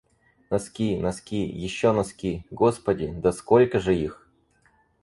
Носки, носки, ещё носки. Господи, да сколько же их?!